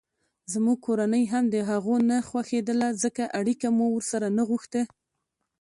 زموږ کورنۍ هم دهغو نه خوښېدله ځکه اړیکه مو ورسره نه غوښته.